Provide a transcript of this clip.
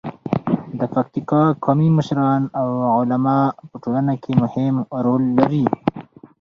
د پکتیکا قومي مشران او علما په ټولنه کې مهم رول لري.